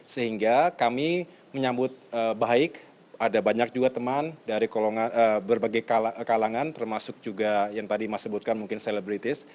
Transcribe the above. sehingga kami menyambut baik ada banyak juga teman dari berbagai kalangan termasuk juga yang tadi mas sebutkan mungkin selebritis